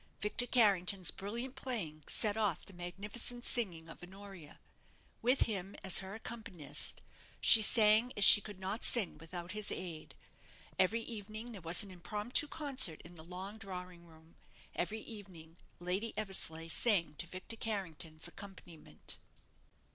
Victor Carrington's brilliant playing set off the magnificent singing of Honoria. With him as her accompanyist, she sang as she could not sing without his aid. Every evening there was an impromptu concert in the long drawing room; every evening Lady Eversleigh sang to Victor Carrington's accompaniment.